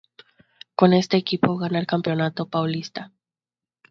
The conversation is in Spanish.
Con este equipo gana el Campeonato Paulista.